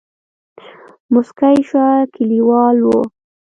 موسکۍ شوه کليوال وو.